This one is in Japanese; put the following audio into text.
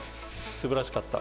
すばらしかった。